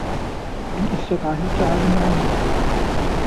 إن استطعت ، تعال معنا.